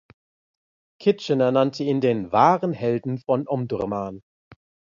Kitchener nannte ihn den „wahren Helden von Omdurman“.